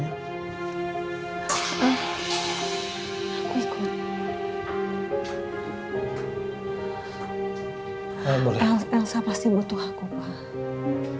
tidak nanti dia akan